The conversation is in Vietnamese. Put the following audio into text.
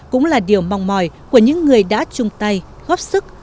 cũng là điều mong mỏi của những người đã chung tay góp sức